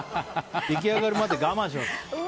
出来上がりまで我慢します。